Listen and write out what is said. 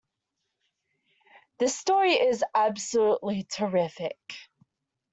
This story is absolutely terrific!